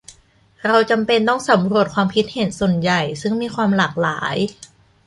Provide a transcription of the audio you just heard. เราจำเป็นต้องสำรวจความคิดเห็นส่วนใหญ่ซึ่งมีความหลากหลาย